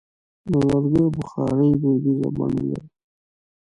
د لرګیو بخاري دودیزه بڼه لري.